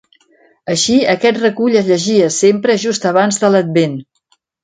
Així, aquest recull es llegia sempre just abans de l'Advent.